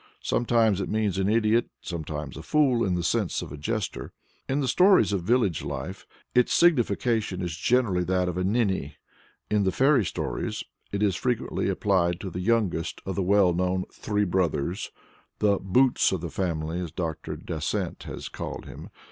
Sometimes it means an idiot, sometimes a fool in the sense of a jester. In the stories of village life its signification is generally that of a "ninny;" in the "fairy stories" it is frequently applied to the youngest of the well known "Three Brothers," the "Boots" of the family as Dr. Dasent has called him.